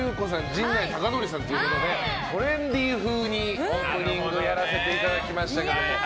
陣内孝則さんということでトレンディー風にオープニングやらせていただきました。